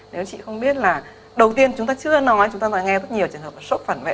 nếu chị không biết là đầu tiên chúng ta chưa nói chúng ta nghe rất nhiều trường hợp là sốt phản vệ